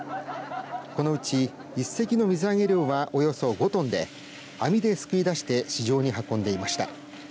このうち１隻の水揚げ量はおよそ５トンで網で救い出して市場に運んでいました。